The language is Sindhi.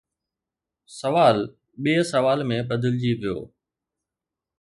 سوال ٻئي سوال ۾ بدلجي ويو